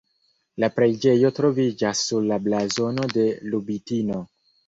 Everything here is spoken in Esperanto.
La preĝejo troviĝas sur la blazono de Lubitino.